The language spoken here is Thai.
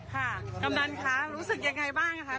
ค่ะกำนันต์ค่ะรู้สึกยังไงบ้างฮะตอนนี้